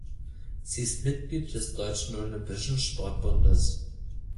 Sie ist Mitglied des Deutschen Olympischen Sportbundes.